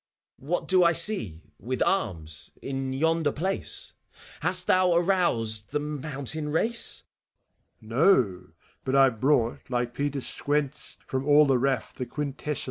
What do I see, with arms, in yonder place f Hast thou aroused the mountain race T MEPHISTOPHELES. No ! But I've brought, like Peter Squence, From all the raff the quintessence.